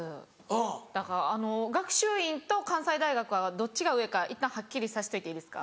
だから学習院と関西大学はどっちが上かいったんはっきりさせといていいですか？